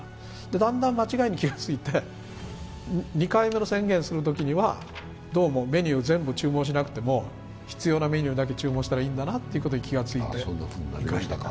だんだん間違いに気が付いて、２回目の宣言をするときにはどうもメニュー全部注文しなくても必要なメニューだけ注文すればいいんだと気が付いて、生かした。